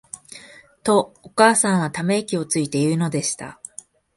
と、お母さんは溜息をついて言うのでした。